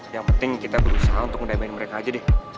yang penting kita berusaha untuk mendamain mereka aja deh